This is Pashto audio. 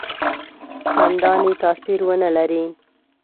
څنداني تاثیر ونه لري.